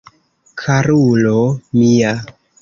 Karulo mia!